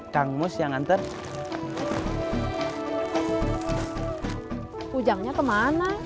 kang ujangnya kemana